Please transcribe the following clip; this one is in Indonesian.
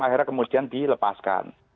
akhirnya kemudian dilepaskan